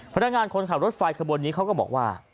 พนักงานคนขับรถไฟขบวนนี้เขาก็บอกว่า